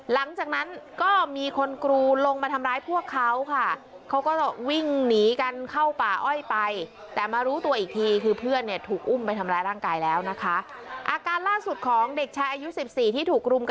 หลังจากนั้นก็มีคนกรูลงมาทำร้ายพวกเขาค่ะเขาก็วิ่งหนีกันเข้าป่าอ้อยไป